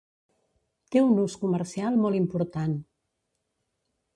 Té un ús comercial molt important.